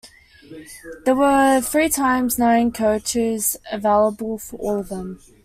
There were three times nine "couches" available for all of them.